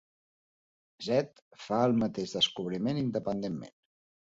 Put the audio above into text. Zedd fa el mateix descobriment independentment.